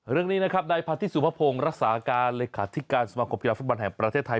เรื่องนี้นะครับนายพาธิสุภพงศ์รักษาการเลขาธิการสมาคมกีฬาฟุตบอลแห่งประเทศไทย